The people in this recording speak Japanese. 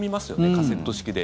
カセット式で。